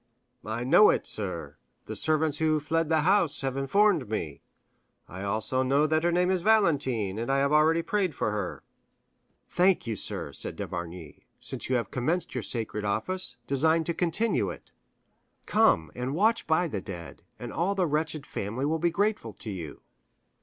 "I know it, sir; the servants who fled from the house informed me. I also know that her name is Valentine, and I have already prayed for her." "Thank you, sir," said d'Avrigny; "since you have commenced your sacred office, deign to continue it. Come and watch by the dead, and all the wretched family will be grateful to you."